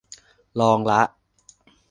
ลองละ